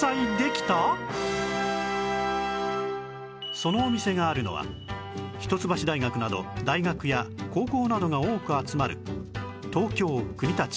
そのお店があるのは一橋大学など大学や高校などが多く集まる東京国立